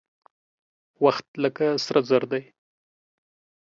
وخت لکه سره زر دى.